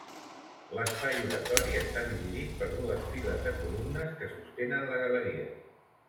L'espai oratori està dividit per dues files de columnes que sostenen la galeria.